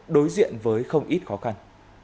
đối diện với không ít khó khăn